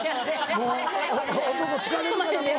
もう男疲れるからもう。